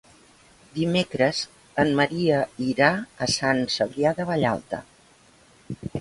Dimecres en Maria irà a Sant Cebrià de Vallalta.